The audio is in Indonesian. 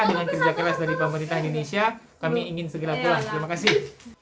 dengan kerja keras dari pemerintah indonesia kami ingin segera pulang terima kasih